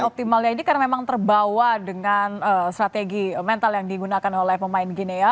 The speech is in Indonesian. optimalnya ini karena memang terbawa dengan strategi mental yang digunakan oleh pemain gini ya